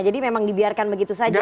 jadi memang dibiarkan begitu saja